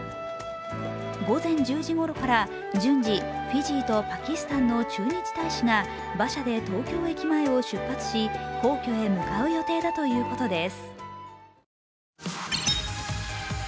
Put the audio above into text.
午前１０時ごろから順次、フィジーとパキスタンの駐日大使が馬車で東京駅前を出発し皇居へ向かう予定だということです。